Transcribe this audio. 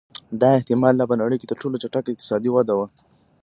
دا احتما لا په نړۍ کې تر ټولو چټکه اقتصادي وده وه